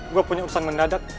gue punya urusan mengenal dadat